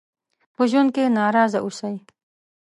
په ژوند کې ناراضه اوسئ.